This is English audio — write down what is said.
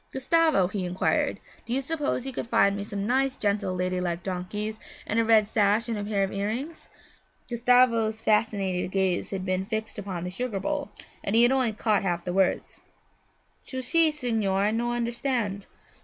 'Gustavo,' he inquired, 'do you suppose you could find me some nice, gentle, lady like donkeys, and a red sash and a pair of earrings?' Gustavo's fascinated gaze had been fixed upon the sugar bowl and he had only half caught the words. 'Scusi, signore, I no understand.'